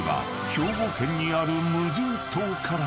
［兵庫県にある無人島から］